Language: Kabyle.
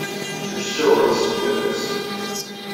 Ttmecčiweɣ yid-sen yal ass.